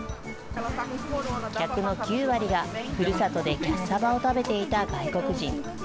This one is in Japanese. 客の９割が、ふるさとでキャッサバを食べていた外国人。